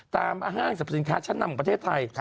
ห้างสรรพสินค้าชั้นนำของประเทศไทย